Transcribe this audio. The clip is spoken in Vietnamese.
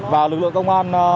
và lực lượng công an